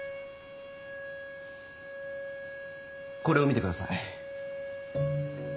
これを見てください。